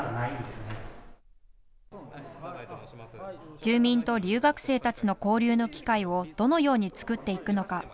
住民と留学生たちの交流の機会をどのように作っていくのか。